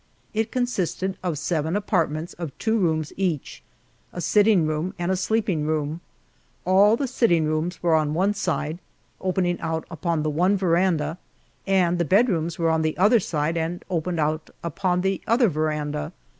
It consisted of seven apartments of two rooms each, a sitting room and sleeping room; all the sitting rooms were on one side, opening out upon the one veranda, and the bedrooms were on the other side and opened out upon the other veranda.